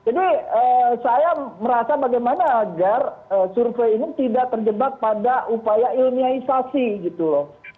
jadi saya merasa bagaimana agar survei ini tidak terjebak pada upaya ilmiahisasi gitu loh